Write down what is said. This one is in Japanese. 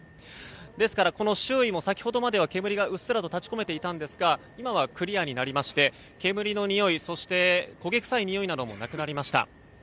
ですから、周囲も先ほどまでは煙がうっすら立ち込めていたんですが今はクリアになりまして煙のにおいそして、焦げ臭いにおいなどもなくなりました。